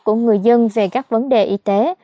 của người dân về các vấn đề y tế